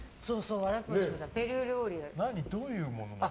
どういうものなの？